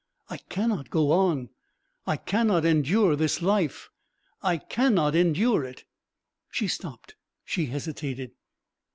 I cannot go on. I cannot endure this life.... I cannot endure it." She stopped. She hesitated.